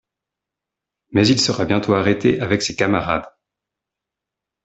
Mais il sera bientôt arrêté avec ses camarades...